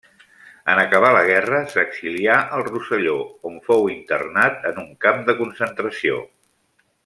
En acabar la guerra s'exilià al Rosselló, on fou internat en un camp de concentració.